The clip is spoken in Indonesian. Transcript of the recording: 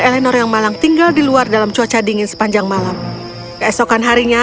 eleanor yang malang tinggal di luar dalam cuaca dingin sepanjang malam keesokan harinya